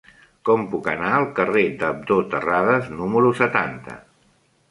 Com puc anar al carrer d'Abdó Terradas número setanta?